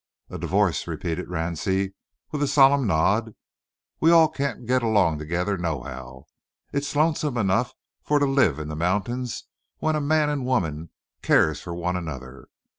"A divo'ce," repeated Ransie, with a solemn nod. "We all can't git along together nohow. It's lonesome enough fur to live in the mount'ins when a man and a woman keers fur one another.